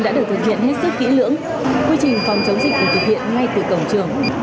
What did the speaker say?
để thực hiện hết sức kỹ lưỡng quy trình phòng chống dịch được thực hiện ngay từ cổng trường